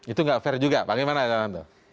itu nggak fair juga bagaimana